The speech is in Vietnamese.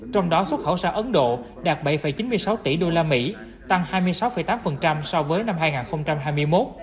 trong đó xuất khẩu xa ấn độ đạt bảy chín mươi sáu tỷ usd tăng hai mươi sáu tám so với năm hai nghìn hai mươi một